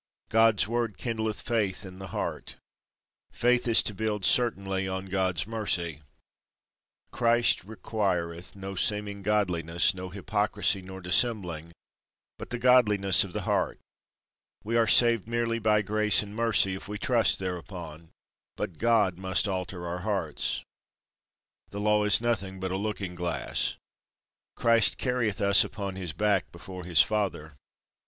God's Word kindleth Faith in the heart. Faith is to build certainly on God's mercy. Christ requireth no seeming godliness, no hypocrisy nor dissembling, but the godliness of the heart. We are saved merely by grace and mercy, if we trust thereupon, but God must alter our hearts. The Law is nothing but a looking glass. Christ carrieth us upon his back before his Father.